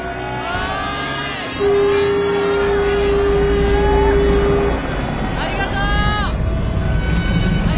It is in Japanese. ありがとう！